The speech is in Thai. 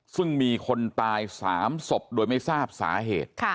ซึ่งมีคนตาย๓ศพโดยไม่ทราบสาเหตุ